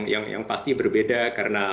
yang pasti berbeda karena